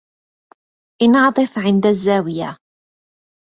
انعطف عند الزاوية.